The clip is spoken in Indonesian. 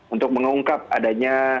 untuk mengungkap adanya